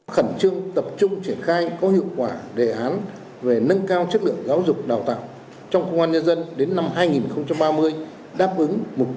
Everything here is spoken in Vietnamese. khẩn trương tập trung triển khai có hiệu quả đề án về nâng cao chất lượng giáo dục đào tạo trong công an nhân dân đến năm hai nghìn ba mươi